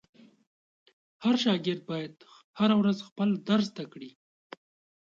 هر شاګرد باید هره ورځ خپل درس زده کړي.